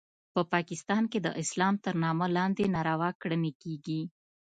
په پاکستان کې د اسلام تر نامه لاندې ناروا کړنې کیږي